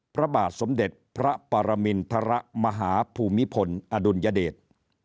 พระบาทสมเด็จพระปรมินทรมาหาภูมิพลอดุลยเดช